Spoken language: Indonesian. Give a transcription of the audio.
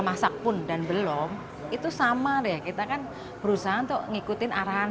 masak pun dan belum itu sama deh kita kan berusaha untuk ngikutin arahan